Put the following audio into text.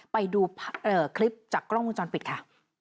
ไปดูคลิปจากกล้องวงจรปิดค่ะ